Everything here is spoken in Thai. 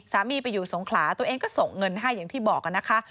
ไปอยู่สงขลาตัวเองก็ส่งเงินให้อย่างที่บอกนะคะ